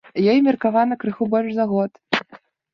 Ёй меркавана крыху больш за год.